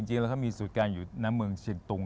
จริงแล้วก็มีสูตรการอยู่น้ำเมืองเฉียงตุง